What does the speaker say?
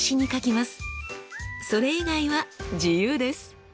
それ以外は自由です。